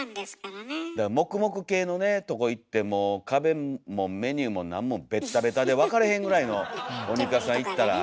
モクモク系のとこ行ってもう壁もメニューも何もベッタベタで分かれへんぐらいのお肉屋さん行ったらおいしく食べれるかも。